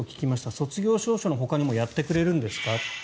卒業証書のほかにもやってくれるんですか？